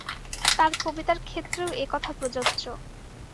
তাঁর কবিতার ক্ষেত্রেও এ কথা প্রযোজ্য।